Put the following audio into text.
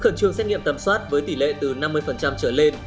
khẩn trương xét nghiệm tầm soát với tỷ lệ từ năm mươi trở lên